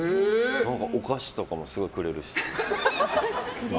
お菓子とかもすごいくれるし。